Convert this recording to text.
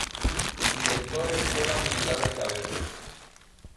Director Escuela Militar de Cadetes.